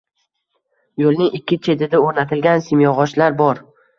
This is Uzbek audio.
Yo‘lning ikki chetida o‘rnatilgan simyog‘ochlar bor.